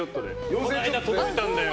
この間いっぱい届いたんだよ。